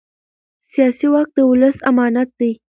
سیاسي واک د ولس امانت دی